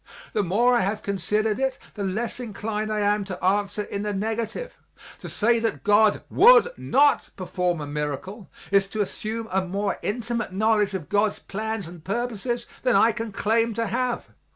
The more I have considered it the less inclined I am to answer in the negative. To say that God would not perform a miracle is to assume a more intimate knowledge of God's plans and purposes than I can claim to have.